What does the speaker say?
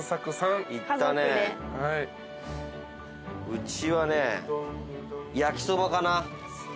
うちはね焼きそばかな。